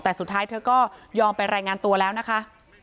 แต่สุดท้ายเธอก็ยอมไปรายงานตัวแล้วนะคะ